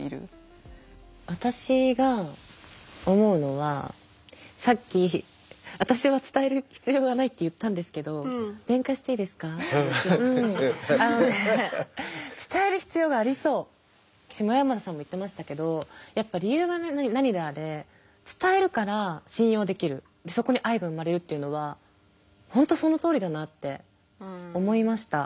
私が思うのはさっき私は伝える必要がないって言ったんですけどあのね下山田さんも言ってましたけどやっぱ理由が何であれ伝えるから信用できるそこに愛が生まれるっていうのは本当そのとおりだなって思いました。